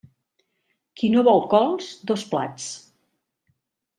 Qui no vol cols, dos plats.